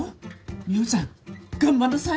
美帆ちゃん頑張んなさい。